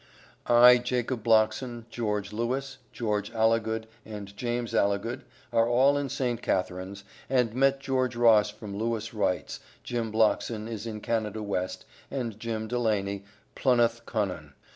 I Jacob Blockson, George Lewis, George Alligood and James Alligood are all in St. Catharines, and met George Ross from Lewis Wright's, Jim Blockson is in Canada West, and Jim Delany, Plunnoth Connon.